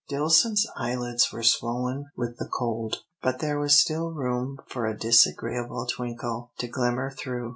Dillson's eyelids were swollen with the cold, but there was still room for a disagreeable twinkle to glimmer through.